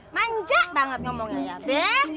manjat banget ngomongnya ya be